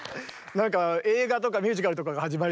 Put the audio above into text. なんか映画とかミュージカルとかが始まりそうな。